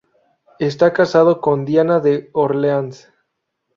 Está casado con Diana de Orleans.